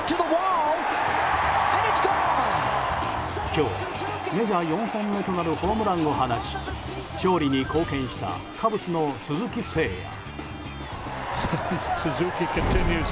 今日、メジャー４本目となるホームランを放ち勝利に貢献したカブスの鈴木誠也。